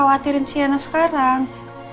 gak hatirin sienna sekarang